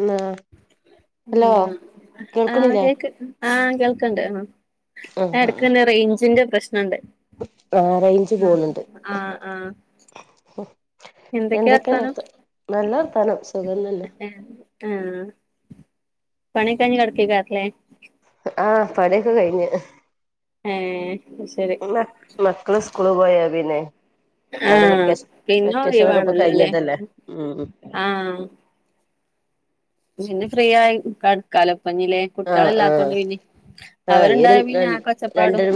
ന്നാ ആഹ് കേൾക്കണില്ലേ കേക്ക് ആഹ് കേൾക്കട്ട്. ആ ആ എടക്കെ റേഞ്ചിന്റെ പ്രശ്നുണ്ട് ആ റേഞ്ച് പോണുണ്ട് ആ ആഹ് ആ- എന്തൊക്കെയാണ് വർത്താനം ആവുടുത്തെ നല്ല വാർത്തനം സുഖം തന്നെ. ആഹ പണിക്കഴഞ് കിടപ്പിക്കാറല്ലേ ആഹ പണിയൊക്കെ കഴിഞ്ഞു ആഹ ശരി മ മക്കള് സ്കൂള് പോയ പിന്നെ അവര് ആഹ് വെക്കേഷ പിന്നെ വെക്കേഷൻ ഒക്കെ ഇപ്പ കഴിഞ്ഞതല്ലേ ഉം ആഹ പിന്നെ ഫ്രീ ആയി കിടക്കലോ കാലപ്പഞ്ഞിലേ ആഹ ആഹ ആഹ ഈ ഒരു അവരുണ്ടായ ര പിന്നെ ആകെ ഒച്ചപ്പാടും രണ്ടരു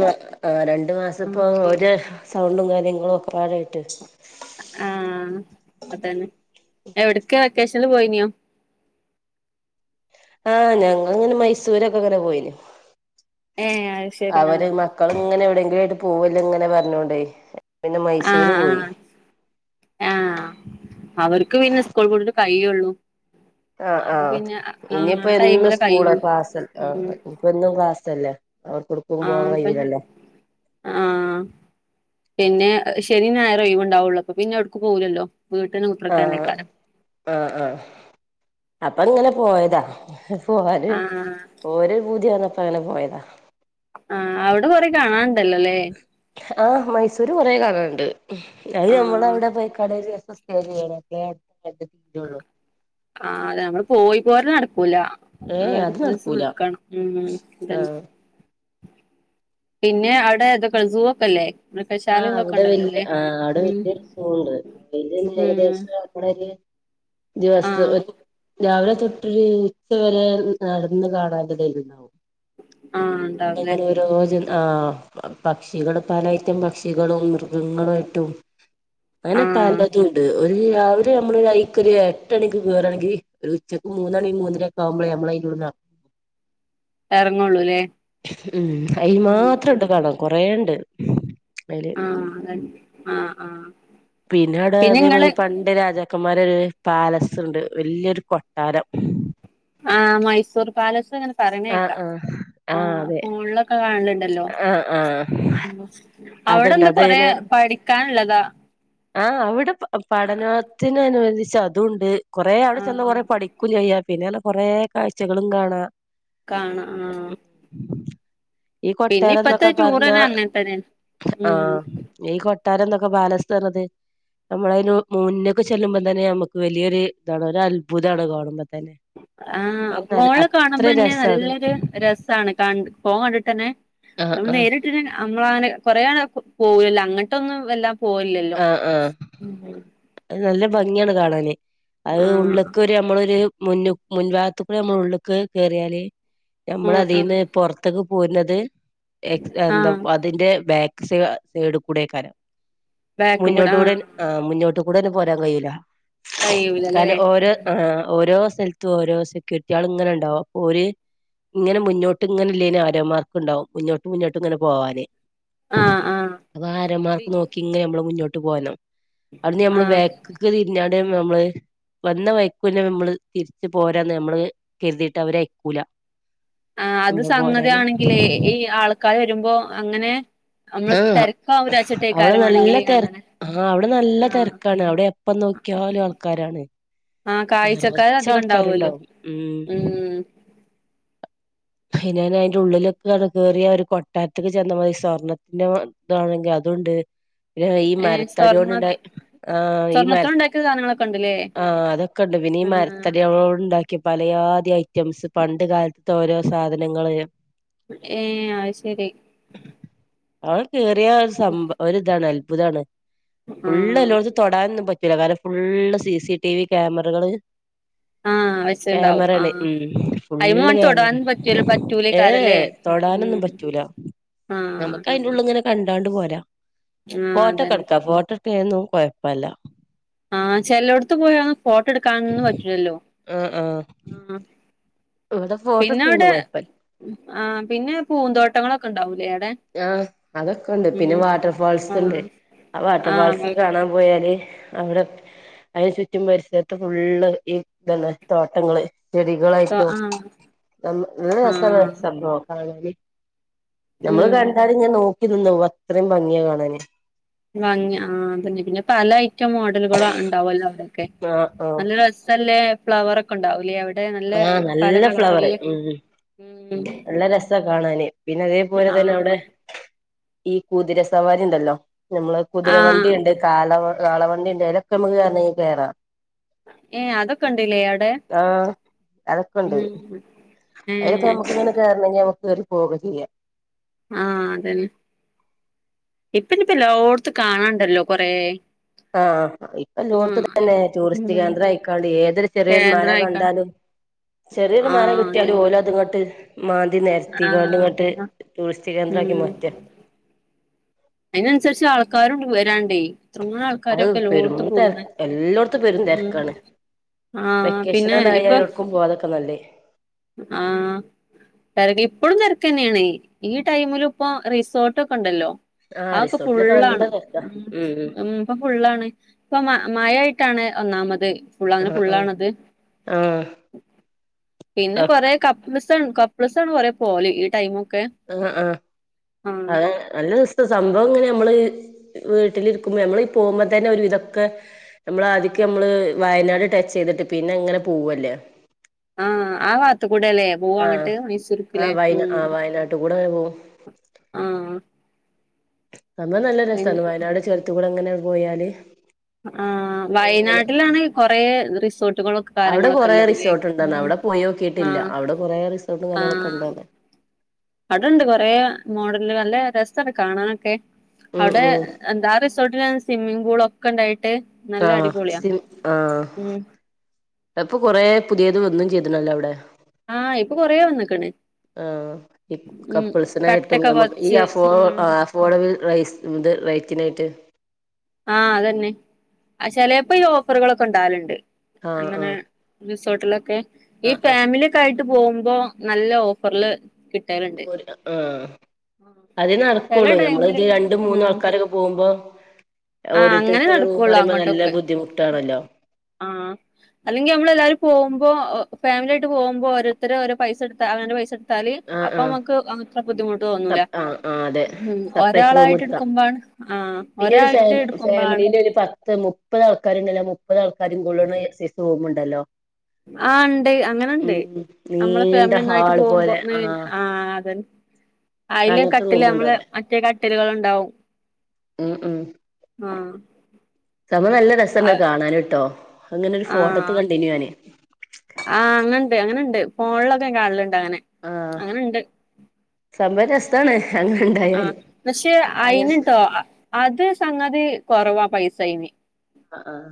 ആഹ രണ്ട മാസം ഉം അപ്പോ ഓരോ സൗണ്ടും കാര്യങ്ങളും ഒക്കെ പാടായിട്ട് ആഹ അതന്നെ എവിടക്ക വക്കേഷനിൽ പോയിനിയോ ആഹ് ഞങ്ങങ്ങനെ മൈസൂരൊക്കെ അങ്ങനെ പോയിന് ഏഹ് അത് ശരി അവര് ആഹ് മക്കള ഇങ്ങനെ എവിടെയെങ്കിലും ആയിട്ട് പോവല്ലോ ഇങ്ങനെ പറഞ്ഞോണ്ടേ പിന്നെ മൈസൂര് ആഹ് പോയി ആഹ് ആഹ് അവർക്ക് പിന്നെ സ്കൂൾ കൂടിട്ട് കയ്യുള്ളൂ ആഹ ആഹ ഇനിയിപ്പോ ഇന്ന് ടൈമിലെ സ്കൂള കഴിയുള്ളൂ ക്ലാസ്ൽ ഉം ആഹ ഒന്നും ക്ലാസ് അല്ലേ അവർ ആഹപ്പഞ്ഞ ആഹ പിന്നെ ശനി ഞായറുവ ഒഴിവ് ഉണ്ടാവുള്ളൂ അപ്പൊ പിന്നെ എവിടക്ക് പോകൂലല്ലോ വീട്ടന് മുത്രക്കേക്കാര ആഹ ആഹ അപ്പൊ ഇങ്ങനെ പോയതാ പോവാല് ആഹ് ഓരോ പൂതിയാന്നപ്പോ അങ്ങനെ പോയതാ ആഹ അവിടെ കൊറെ കാണാനുണ്ടല്ലോല്ലേ ആഹ മൈസൂര് കൊറേ കാണാനുണ്ട് അത് നമ്മൾ ആഹ് അവിടെ പോയിക്കടൽ [unintelligible] ആഹ അതെ നമ്മള് പോയി പോര നടക്കൂല അവിടെ ഏഹ് അത് ഒരൂസം നടക്കൂല നിക്കണം ഉം [unintelligible] ആഹ് പിന്നെ അവിടെ ഏതൊക്കെ സൂ ഒക്കെല്ലേ മൃഗശാല ആഹ ഇതൊക്കെ അവിടെ ഉണ്ടല്ലോ വല്യ അല്ലേ ആഹ അവിടെ ഉം വല്യഒരു സൂണ്ട് [unintelligible] ഉം ഏകദേശം ദിവസ ആഹ് രാവിലെ തൊട്ടരു വരെ നടന്ന് കാണണ്ട [unintelligible] ആഹ് ഉണ്ടാവുല്ലേ തുന്നുംങ്ങ യോജനം ആഹ് പക്ഷികള് പല ഐറ്റം പക്ഷികളും മൃഗങ്ങളും ആയിട്ടും അങ്ങനെ ആഹ് പലതു ഉണ്ട് ഒരു രാവിലെ നമ്മൾ ഐക്ക് ഒരു എട്ടണിക്ക് കേറണെങ്കി ഒരു ഉച്ചക്ക് മൂന്നണി മൂന്നരൊക്കെ ആകുമ്പോളെ നമ്മള് അയിന്റെ ഉള്ളിന്ന് ഇറങ്ങു എറങ്ങോള്ളൂല്ലേ ഉം അയി മാത്രം ഒണ്ട് കാണാന് കൊറേണ്ട് അയില് ആഹ് അത ആഹ് ആഹ് പിന്നീട് പിന്നെ അതേ ഇങ്ങള് മതി പ ന്റെ രാജാക്കന്മാരെ ഒര് പാലസ് ഉണ്ട് വലിയൊരു കൊട്ടാരം ആഹ് മൈസൂർ പാലസ് അങ്ങ ആഹ് പറഞ്ഞേക്കാ ആഹ് ആഹ് ഗൂഗിളൊക്കെ കാണലണ്ടല്ലോ ആഹ് ആഹ് അതുണ്ട് അവിടെന്ത കൊറേ അതിന് പഠിക്കാനൊള്ളതാ ത്തിന അനുബന്ധിച്ച് അത് ഒണ്ട് കൊറേ അവിടെ ചെന്ന ആഹ് കൊറേ പഠി കുഞ്ഞയ്യ പിന്നെല്ല കൊറെ കാഴ്ചകളും കാണാ കാണ ആഹ് ഈ പിന്നെ കൊട്ടാരം ഇപ്പത്തെ ന്നൊക്കെ പറഞ്ഞാ റ്റൂറ്നെ അങ്ങത്തരെ ആഹ് ഈ കൊട്ടാരം എന്നൊക്കെ പാലസ് പറഞ്ഞത് നമ്മളതിന് മുന്നൊക്കെ ചെല്ലുമ്പോ തന്നെ നമുക്ക് വലിയൊരു ഇതാണ് ഒരു അത്ഭുതാണ് കാണുമ്പോ തന്നെ ആഹ് കാരണം ഫോൺല് അത്ര കാണുമ്പോന്നെ രസാണ് നല്ലൊരു രസാണ് ക ഫോൺ കണ്ടിട്ടന്നെ ആഹ് നമ്മള് ആഹ് നേരിട്ടിന് നമ്മള അങ്ങനെ കൊറേ ആള പോവല്ലോ അങ്ങട്ടൊന്നും എല്ലാം പോവുല്ലല്ലോ ആഹ് ആഹ് ഉം അത് നല്ല ഭംഗിയാണ് കാണാന് അത് ഉള്ളൊക്ക് ര് അമ്മളൊര് മുന്ന് മുൻഭാഗത്ത് കൂടെ നമ്മള് ഉള്ള്ക്ക് കേറിയാല് ആഹ് ആഹ് നമ്മളതീന്ന് പൊറ ത്ത്ക്ക് പോര്നത് എന്താ ആഹ് അതിന്റെ ബാക്ക് സ് സൈഡ്ക്കൂടെകാരം ബാക്ക് മുന്നോട്ട് ആ കൂടെ ആഹ് മുന്നോട്ട് കൂടെന്നും പോരാൻ കയൂല്ല കഴിയൂലല്ലേ കാരണം ഓര് ആഹ് ഓരോ സ്ഥലത്തും ഓരോ സെക്യൂരിറ്റിയാള് ഇങ്ങനെണ്ടാവും ഓര് ഇങ്ങനെ മുന്നോട്ട് ഇങ്ങനെ ഇല്ലേനും ആരോമാർക്കുണ്ടാവും മുന്നോട്ട് മുന്നോട്ട് ഇങ്ങനെ പോവാന് ആഹ് ആഹ് അപ്പൊ ആരോ മാർക്ക്‌ നോക്കിങ്ങനെ നമ്മള് മുന്നോട്ട് പോര്ണം അവവ്ട്ന്ന് ഞമ്മള് ആഹ് ബാക്ക്ക്ക് തിരിഞ്ഞാട് ഞമ്മള് വന്ന വൈക്കൂന്നെ നമ്മള് തിരിച്ച് പോരാന്ന് നമ്മള് കരുതിയിട്ട് അവര് അയ്ക്കൂല ആഹ് അത് സംഗതി ആണെങ്കിലേ ഈ ആൾക്കാര് വരുമ്പോ അങ്ങനെ അ മ്മള് ആ തെരക്കാവും രാച്ച്ട്ടേയ് അവിടെ ക്കാരം നല്ല മാണെങ്കില് തെര അങ്ങനെ ആഹ് അവ്ടെ നല്ല ആഹ് തെരക്കാണ് അവിടെ എപ്പം നോക്കിയാലും ആൾക്കാരാണ് ആഹ് കാഴ്ചക്കാര് നറച്ച് അധികം ഉണ്ടാവുമല്ലോ ആൾക്കാരുണ്ടാവും ഉം അയ്നനെ അയിന്റെ ഉള്ളിലെക്ക് ആണ്ട് കേറിയ ഒരു കൊട്ടാരത്തേക്ക് ചെന്ന മാതിരി സ്വർണത്തിന്റെ ഇതാണെങ്കി അതുണ്ട് പിന്നെ ഈ ഏഹ് മരത്തടിയൊണ്ട് സ്വർണ്ണ ഇണ്ട ആഹ് ഈ മര അതൊക്കെണ്ട്ല്ലേ ആഹ് അതൊക്കെ ഒണ്ട് പിന്നെ ഈ മരത്തടിയാളോണ്ട് ഉണ്ടാ ക്യ പലയാതി ഐറ്റംസ് പണ്ട് കാലത്തെ ഓരോ സാധനങ്ങള് ഏഹ് അയ് ശെരി അഹ് കേറിയ ഒരു സംഭ ഒരിതാണ് അത്ഭുതാണ് ഫുള്ള് ആഹ് എല്ലോടത്ത് തൊടാനൊന്നും പറ്റൂല കാരണം ഫുള്ള് സിസിടിവി ക്യാമറകള് ആഹ് വെച്ചിണ്ടാവും ക്യാമറെണ് ആഹ് ഉം അയിമ ഫുള്ള് തൊടാൻ ക്യാമറെണ് പറ്റൂല ഏഹ് യെ പറ്റൂലേക്കാരല്ലേ തൊടാനൊന്നും ഉം പറ്റൂല ആഹ് നമുക്കയിന്റെ ന്റുള്ള് ങ്ങനെ കണ്ടാണ്ട് പോരാ ആഹ് ഫോട്ടോക്കെ അതന്നെ ഇട്ക്ക ഫോട്ടട്ക്ക്ണീനൊന്നും കൊഴപ്പല്ല ആഹ് ചെലോടത്ത് പോയ ഫോട്ടട്ക്കാനൊന്നും പറ്റൂല്ലല്ലോ ആഹ് ആഹ് ഇവിടെ ഫോട്ടോ പിന്നെ അവ്ടെ എടുക്കണേന്നും കൊഴപ്പല്ല ആഹ് പിന്നെ പൂന്തോട്ടങ്ങളൊക്കെണ്ടാവൂലേ ആടെ ആഹ് അതൊക്കെണ്ട് പിന്നെ വാട്ടർ ഫാൾസ് ഉണ്ട് ആഹ് ആ വാട്ടർ ഫാൻസ് ആഹ് കാണാൻ പോയാല് അവിടെ അയിന് ചുറ്റും പരിസരത്ത് ഫുള്ള് ഈ ഇതന്നെ തോട്ടങ്ങള് ചെടികളായിട്ടും ആഹ് ന നല്ല രസാണ് ആഹ് സംഭവം കാണാന് ഞമ്മള് ഉം കണ്ടാല് ഇങ്ങനെ നോക്കി നിന്ന് പോവും അത്രയും ഭംഗിയാ കാണാന് ഭംഗി ആഹ് അതന്നെ പിന്നെ പല ഐറ്റം മോഡലുകളും ഉണ്ടാവല്ലോ അവിടെ ക്കെ ആഹ് ആഹ് നല്ല രസല്ലേ ഫ്ലവർ ഒ ക്കെണ്ടാവുംല്ലെ അവടെ നല്ല ആഹ് പല നല്ല ഫ്ലവറ് കളറില് ഉം ഉം നല്ല രസ കാണാന് പിന്നെ അതേപോലെ തന്നെ ആഹ് അവിടെ ഈ കുതിര സവാരിണ്ടല്ലോ നമ്മളെ കുതിര ആഹ് വണ്ടിണ്ട് കാളവ കാളവണ്ടിണ്ട് അയിലൊക്കെ നമുക്ക് കേറണങ്കിൽ കേറാം ഏഹ് അതൊക്കെണ്ട്ല്ലേ അവിടെ ആഹ് അതൊക്കെ ഉം ഏഹ് ക്കെ കേറണങ്കി നമുക്കേറി പോവൊക്കെ ചെയ്യ ആഹ് അതന്നെ ഇപ്പനിപ്പം എല്ലോടത്തും കാണാണ്ടല്ലോ കൊറേ ആഹ് ഇപ്പൊ ഉം എലോട്ത്ത് ഇതന്നെ ടൂറിസ്റ്റ് ഉം കേന്ദ്രം ആയിക്കാണ്ട് ഏതൊരു ചെറിയൊരു മല കേന്ദ്രായിക്കാണ്ട് കണ്ടാലും ചെറിയൊരു മല ആഹ് കിട്ടിയാല് അതന്നെ ഓല് അത് ഇങ്ങട്ട് മാന്തി നെരത്തിക്കാണ്ട് ഇങ്ങട്ട് ആഹ് ടൂറിസ്റ്റ് കേന്ദ്രാക്കി ഉം മാറ്റാ അയിനനുസരിച്ച് ആൾക്കാരുണ്ട് വരാണ്ടേയ് എത്രങ്ങാനും ആൾക്കാര അത് പ്പൊ പെരും എല്ലോട്ത്തും തെര പോണഹ് എല്ലോടത്തും പെരും ഉം തെരക്കാണ് ആഹ് പിന്നെ വെക്കേഷനാണ്ടായ ഇപ്പൊ എവിടക്കും പോവാതൊക്കെ നല്ലേ ആഹ് തരണി ഇപ്പളും തെരക്കെന്നെണയ് ഈ ടൈമിലും ഇപ്പൊ റിസോർട്ട് ഒക്കെണ്ടല്ലോ ആഹ് അഹ് ഒക്കെ റിസോർട്ടിലൊക്കെ നല്ല ഫുള്ളാണ് തെരക്കാ ഉം ഉം ഇപ്പൊ ഫുള്ളാണ് ഇപ്പൊ മഴായിട്ടാണ് ഒന്നാമത് ഫുള്ള് അങ്ങനെ ആഹ് ആഹ് ഫുള്ളാണത് ആഹ് പിന്നെ കൊറെ കപ്പ്ള്സാണ് കപ്പ്ള്സാണ് കൊറേ പോവല് ഈ ടൈമൊക്കെ ആഹ് ആഹ് ആഹ് അതെ നല്ല സംഭവം ഇങ്ങനെ നമ്മള് വീട്ടിലിരിക്കുമ്പോ നമ്മൾ പോകുമ്പോ തന്നെ ഒരു വിതൊക്കെ നമ്മൾ ആദ്യക്കെ നമ്മള് വയനാട് ടച്ച് ചെയ്തിട്ട് പിന്നെ ഇങ്ങനെ പോവല്ലേ ആഹ് ആഹ് ഭാഗത്ത് കൂടെല്ലേ ആഹ് പോവങ്ങട്ട് മൈസൂര്ക്ക്ല്ലേ ആഹ് വയനാ ഉം ആഹ് വയനാട്ട് കൂടെ അങ്ങനെ പോവും ആഹ് സംഭവം നല്ല രസാണ് പിന്നെ വയനാട് ചേരത്ത്കൂടെ ഇങ്ങനെ പോയാല് ആഹ് അങ്ങനെ വയനാടിലാണ് കൊറെ റിസോർട്ടുകളും കാര്യങ്ങളൊക്കെ ഇള്ളത് ലേ ഇതാണ് അവിടെ പോയി നോക്കിട്ടില്ല അവിടെ കൊറെ റിസോർട്ടും കാര്യങ്ങളൊക്കെ ഉണ്ട് പറഞ്ഞ് അടെണ്ട് കൊറേ മോഡല് നല്ല രസണ്ട് കാണാനൊക്കെ ഉം അവിടെ ഉം എന്താ അ റിസോർട്ടിലന്നെ സിമ്മിംഗ് പൂളൊക്കെ ഇണ്ടായിട്ട് നല്ല ആഹ് അടിപൊളിയാ സി ആഹ് ഉം ഇപ്പൊ കുറേ പുതിയതും വന്ന് ചെയ്തിണല്ലോ അവിടെ ആഹ് ഇപ്പൊ കൊറേ വന്ന്ക്ക്ണ് ആഹ് ഇപ് ഉം കപ്പിൾസിനായിട്ടും കട്ടൊക്കെ ഞമ്മക്ക് ഈ പതിച്ച് അഫോ ഉം അഫോഡബിൾ റൈസ് ഇത് റൈറ്റ്നായിട്ട് ആഹ് അതന്നെ ആഹ് ചെലപ്പോ ഈ ഓഫറുകളൊക്കെ ഉണ്ടാവല്ണ്ട് ആഹ് അങ്ങനെ ആഹ് റിസോർട്ടിലൊക്കെ ഈ ആഹ് ആഹ് ഫാമിലി ക്കായിട്ട് പോകുമ്പോ നല്ല ഓഫർല് ഒര് ആഹ് അതെ ചെല നടക്കുള്ളൂ ഞമ്മള് ടൈമില് ഇത് രണ്ട് മൂന്ന് ഉം ആൾക്കാരൊക്കെ പോകുമ്പോ ആഹ് അങ്ങനെ ഓരോരുത്തർക്ക് ഓരോ റൂമ് നടക്കുള്ളൂ പറയുമ്പോ നല്ല അങ്ങോട്ടൊക്കെ ബുദ്ധിമുട്ടാണല്ലോ ആഹ് അല്ലെങ്കി നമ്മള് എല്ലാരും പോകുമ്പോ ഫാമിലി ആയിട്ട് പോകുമ്പോ ഓരോരുത്തര് ഓരോ പൈസടുത്ത അവനൻ്റെ പൈസ ട്ത്താല് ആഹ് ആഹ് അപ്പമ്മക്ക് അത്ര ബുദ്ധിമുട്ട് തോന്നൂല സപ് ആഹ് ആഹ് അതെ ഉം സെപ്പറേറ്റ് റൂം ഒരാളായിട്ട് എടുക്കാം എടുക്കുമ്പാണ് ആഹ് പിന്നെ ഒരു ഫാ ഒരാളായിട്ട് എടുക്കുമ്പളാണ് ഫാമിലീന്റെ ഒരു പത്ത് മുപ് പ്പതൾക്കാരുണ്ടല്ലോ മുപ്പത് ആൾക്കാരും കൊള്ള്ണെ സൈസ് റൂമ്ണ്ടല്ലോ ആഹ് ഇണ്ട് അങ്ങനെണ്ട് നമ്മളെ നീണ്ട ഫാമിലി ഒന്നായിട്ട് ഹാള് പോകുമ്പോ പോലെ ങ് ആഹ് അതെന്നെ അയ്ല് അങ്ങനത്തെ കട്ടില് നമ്മള് റൂമുണ്ടവിടെ മറ്റേ കട്ടില്കൾണ്ടാവും ഉ ഉ സമ്പവം നല്ല രസണ്ട് കാണാന്ട്ടോ അങ്ങനൊരു ഫോട്ടത്ത് ആഹ് കണ്ടിനി ഞാന് ആഹ് അങ്ങണ്ട് അങ്ങനെണ്ട് ഫോണിലൊക്കെ കാണല്ണ്ട് അങ്ങനെ ആഹ് അങ്ങനെണ്ട് സമ്പവം രസ് ആഹ് പക്ഷെ അങ്ങനെ അയ്ന്ട്ടോ അത് സംഗതി കൊറവാ പൈസയ്ന് അ ആഹ്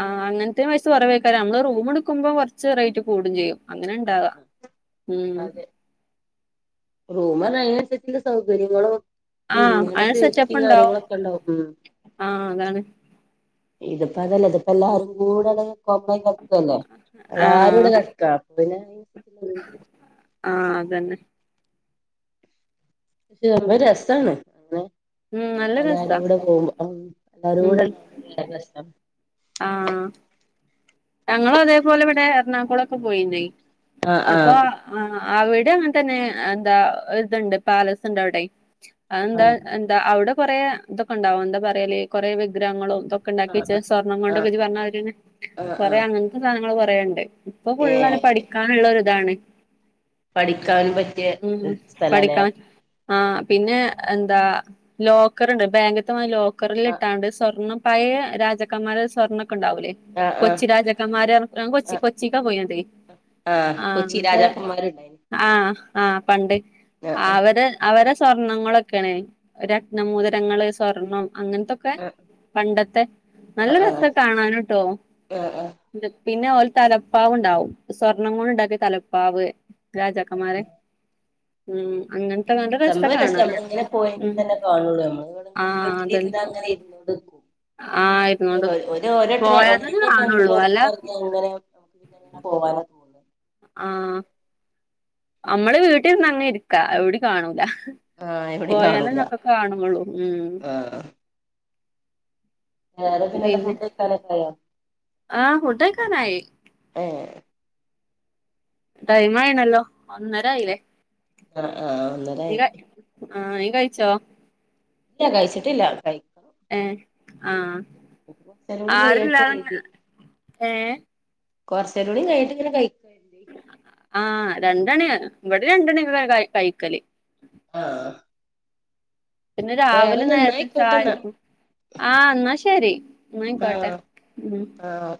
ആഹ് അങ്ങൻത്തെ പൈസ കൊറവെക്കരം നമ്മള് റൂമ് ഇട്ക്കുമ്പോ കൊറച്ച് റേറ്റ് കൂടും ചെയ്യും അങ്ങനെ ഉണ്ടാവാ ഉം [inaudible] റൂമർഞ അയിനൻസര്ച്ച്ള്ള സൗകര്യങ്ങളോ ആഹ് പിന്നങ്ങനെ അയിന് സേഫ്റ്റി സെറ്റപ്പ് ഉണ്ടാവും കാര്യങ്ങളൊക്കെ ണ്ടാവും ഉം ആഹ് അതാണ് ഇതിപ്പോ അതല്ല ഇതിപ്പോ എല്ലാരു കൂടങ് കൊമ്പായി കട്ക്കല്ലേ ആഹ് എല്ലാരുടെ കട്ക്കാ ല്ലേ ആഹ് അതന്നെ പക്ഷെ സംഭവം രസാണ് [unintelligible] ഉം നല്ല രസാ എല്ലാരുകൂടെ പോ എല്ലര എല്ലാരുകൂടെ ഉം ണ്ടാവുമ്പോ വേറെ രസാണ് ആഹ് ഞങ്ങള് അതേപോലെ ഇവിടെ എറണാകുളൊക്കെ പോയിനേ ആഹ് അപ്പൊ ആഹ് ആ അവിടെ അങ്ങൻതന്നെ എന്താ ഇത്ണ്ട് പാലസ്ണ്ട് അവിടെയ് അതെന്താ ആഹ് എന്താ അവിടെ കൊറേ ഇതൊക്കെണ്ടാവും എന്താ പറയല് കൊറേ വിഗ്രഹങ്ങളും തൊക്കെ ആഹ് ണ്ടാക്കിച്ച സ്വർണം ആഹ് കൊണ്ടൊക്കെജ്ജ് പറഞ്ഞാരിന്നെ ആഹ് കൊറേ ആഹ് അങ്ങൻത്തെ സാധനങ്ങൾ കൊറേണ്ട് ഇപ്പൊ ഫുള്ളത് ഏഹ് പഠിക്കാനുള്ള ഒരു താണ്. പഠിക്കാൻ പറ്റിയ സ്ഥലാ ലേ. ആ പിന്നെ എന്താ ലോക്കറണ്ട് ബേങ്ക്ത്തെമാരി ലോക്കറിൽ ആ ഇട്ടാണ്ട് സ്വർണം പഴേ രാജാക്കമ്മാരെ സ്വർണ്ണൊക്കെ ണ്ടാവൂലേ ആ ആ കൊച്ചി രാജാക്കന്മാര്ർഞ്ട്ട് ഞാൻ കൊച്ചി ആ കൊച്ചിക്ക പോയിനത് ആ കൊച്ചി ങ്ങട്ട് രാജാക്കന്മാരുണ്ടായിന് ആ ആ പണ്ട് ആ ആ അവര് അവരെ സ്വർണങ്ങളൊക്കെണ് രത്നമൂതിരങ്ങള് സ്വർണം അങ്ങൻത്തൊക് ക്കെ പണ്ടത്തെ നല്ല രസ കാണാന്ട്ടോ ആഹ് ആഹ് പിന്നെ ഓലെ തലപ്പാവ് ഉണ്ടാവും സ്വർണം കൊണ്ട്ണ്ടാക്കിയ തലപ്പാവ് രാജാക്കമ്മാരെ ഉം അങ്ങൻ സംഭവം രസ നമ്മള്ങ്ങനെ പോയെങ്കി തന്നെ കാണുള്ളൂ ഞമ്മൾ വണങ്കും ആഹ് അതന്നെ വീട്ടിലിര്നാ അങ്ങനെ ഇരുന്നോണ്ട്ക്കും ആഹ് ഇതിന് ഒരു ഇരുന്നോണ്ട്ക്കും ഒരു. പോയാ [unintelligible] തന്നെ ഒരട്ടം കാണുള്ളൂ അല്ല പോർത്ത്ക്കറങ്ങിയ അങ്ങനെ പിന്നങ്ങനെ പോവാന് ആഹ് അമ്മള് വീട്ടിര്ന്ന അങ്ങനെ ഇരിക്കാ എവിടി കാണൂല ആ എവിടെയും പോയാലന്നെ കാണൂല ഒക്കെ കാണുള്ളൂ ഉം ആ വേറെ പിന്നെ ന്താ ഫുഡയ്ക്കാനൊക്കായോ? ആ ഫുഡയ്ക്കാനായി ഏ ടൈം ആയിണല്ലോ ആ ഒന്നരായീലെ ആ ആ ഒന്നരായി ആ നീ കഴിച്ചോ ല്ല കഴിച്ചിട്ടില്ല കഴി ഏ ആ കൊറച്ചേരംകൂടി കയ്യട്ടെര്തി ഏഹ് കൊർച്ചേരൂടി കഴ്ഞ്ട്ട്ങ്ങനെ കഴ് ആ രണ്ടണി ഇവിടെ രണ്ടണിക്കെക്കെ കൈ കൈക്കല് ആഹ് പിന്നെ രാവിലെ നേരത്തെ നന്നായിക്കോട്ടെന്നാ ചായടിക്കും ആ ന്നാ ശരി എന്നായിക്കോട്ടെ ആഹ് ഉം ആഹ്